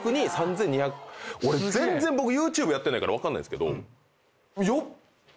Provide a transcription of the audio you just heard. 俺全然ＹｏｕＴｕｂｅやってないから分かんないんですけど。